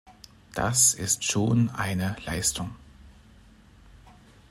Das ist schon eine Leistung.